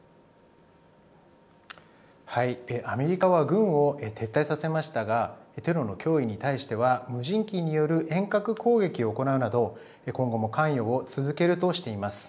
アメリカは軍を撤退させましたがテロの脅威に対しては無人機による遠隔攻撃を行うなど今後も関与を続けるとしています。